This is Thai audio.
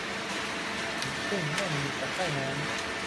หินกลิ้งไม่มีตะไคร่น้ำ